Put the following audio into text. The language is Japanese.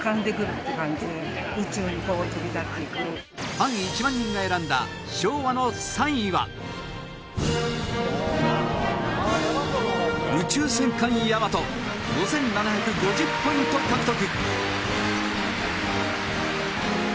ファン１万人が選んだ昭和の３位は『宇宙戦艦ヤマト』５７５０ポイント獲得